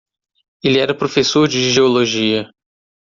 Ele era professor de geologia.